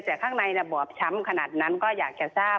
แต่ข้างในระบอบช้ำขนาดนั้นก็อยากจะทราบ